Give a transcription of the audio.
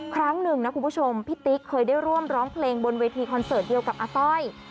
ครั้งหนึ่งนะคุณผู้ชมพี่ติ๊กเคยได้ร่วมร้องเพลงบนเวทีคอนเสิร์ตเดียวกับอาต้อย